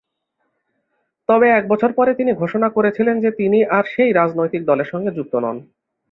তবে এক বছর পরে তিনি ঘোষণা করেছিলেন যে তিনি আর সেই রাজনৈতিক দলের সাথে যুক্ত নন।